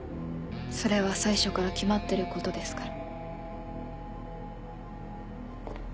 それは最初から決まってることですから。